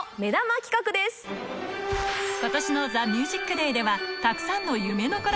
今年の『ＴＨＥＭＵＳＩＣＤＡＹ』では